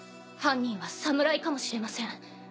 犯人は侍かもしれません。